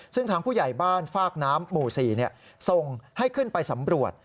ซึ่งทางผู้ใหญ่บ้านฟากน้ำหมู่๔ส่งให้ขึ้นไปสำรวจ